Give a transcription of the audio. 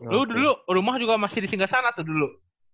lu dulu rumah juga masih disinggah sana atau dulu